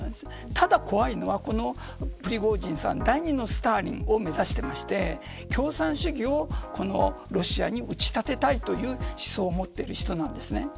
ただ怖いのは、プリゴジンさん第２のスターリンを目指していて共産主義をロシアに打ち立てたいという思想を持っている人です。